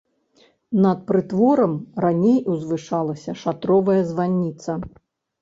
Над прытворам раней узвышалася шатровая званіца.